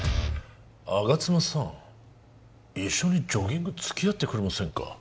「吾妻さん」「一緒にジョギング付き合ってくれませんか」